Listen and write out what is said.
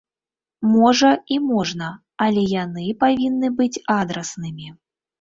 Можа і можна, але яны павінны быць адраснымі.